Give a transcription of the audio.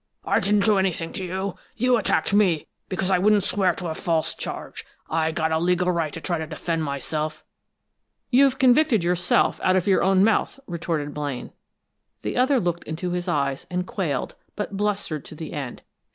"I didn't do anything to you! You attacked me because I wouldn't swear to a false charge. I got a legal right to try to defend myself!" "You've convicted yourself, out of your own mouth," retorted Blaine. The other looked into his eyes and quailed, but blustered to the end.